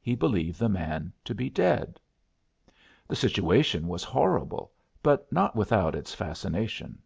He believed the man to be dead. The situation was horrible, but not with out its fascination.